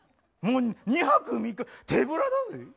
２泊３日手ぶらだぜぇ？